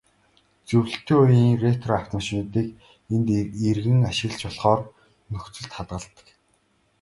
Зөвлөлтийн үеийн ретро автомашинуудыг энд эргэн ашиглаж болохоор нөхцөлд хадгалдаг.